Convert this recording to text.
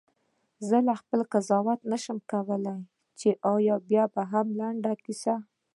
زه خپله قضاوت نه شم کولای چې آیا بیاهم لنډه کیسه.